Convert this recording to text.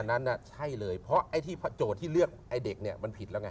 อันนั้นน่ะใช่เลยเพราะโจทย์ที่เลือกเด็กมันผิดแล้วไง